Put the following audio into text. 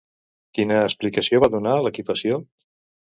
Quina explicació va donar l'equipació?